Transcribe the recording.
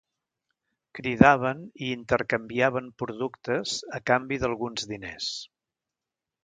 Cridaven i intercanviaven productes a canvi d’alguns diners.